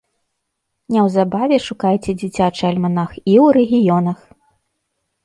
Неўзабаве шукайце дзіцячы альманах і ў рэгіёнах!